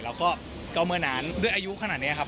แล้วก็เมื่อนั้นด้วยอายุขนาดนี้ครับ